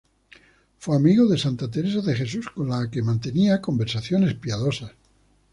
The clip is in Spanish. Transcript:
Fue amigo de Santa Teresa de Jesús, con la que mantenía conversaciones piadosas.